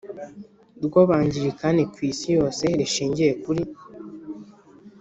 ry Abangilikani ku isi yose rishingiye kuri